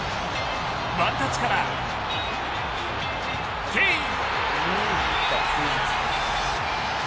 ワンタッチからケイン。